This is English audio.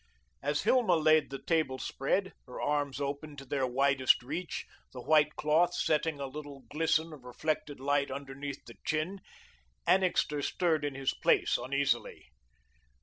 As Hilma laid the table spread, her arms opened to their widest reach, the white cloth setting a little glisten of reflected light underneath the chin, Annixter stirred in his place uneasily.